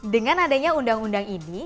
dengan adanya undang undang ini